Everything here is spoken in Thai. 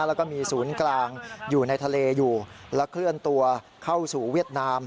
แล้วก็มีศูนย์กลางอยู่ในทะเลอยู่และเคลื่อนตัวเข้าสู่เวียดนาม